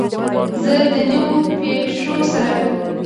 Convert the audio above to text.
د نویو پیښو سره.